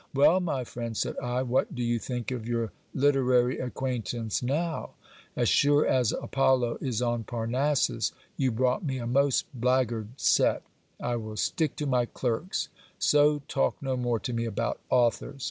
Well, my friend, said I, what do you think of your literary acquaintance now ? As sure as Apollo is on Parnassus, you brought me a most blackguard set I will stick to my clerks ; so talk no more to me about authors.